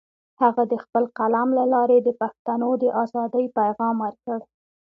هغه د خپل قلم له لارې د پښتنو د ازادۍ پیغام ورکړ.